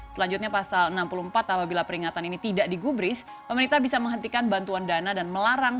selanjutnya pasal enam puluh empat apabila peringatan ini tidak digubris pemerintah bisa menghentikan bantuan dana dan melarang